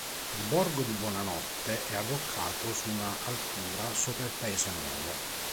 Il borgo di Buonanotte è arroccato su una altura sopra il paese nuovo.